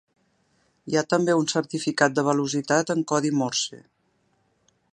Hi ha també un certificat de velocitat en Codi Morse.